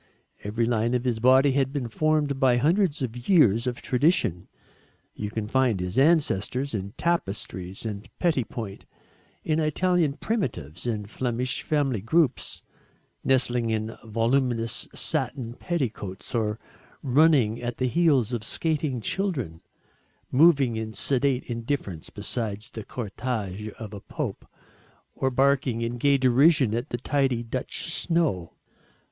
Every line of his body had been formed by hundreds of years of tradition. You can find his ancestors in tapestries and petit point in Italian primitives and Flemish family groups, nestling in voluminous satin petticoats, or running at the heels of skating children moving in sedate indifference beside the cortège of a pope, or barking in gay derision at the tidy Dutch snow.